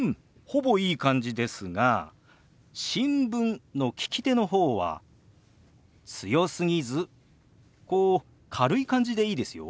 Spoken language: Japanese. ほぼいい感じですが「新聞」の利き手の方は強すぎずこう軽い感じでいいですよ。